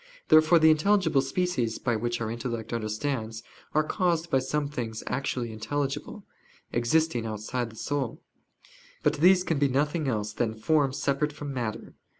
Therefore the intelligible species, by which our intellect understands, are caused by some things actually intelligible, existing outside the soul. But these can be nothing else than forms separate from matter.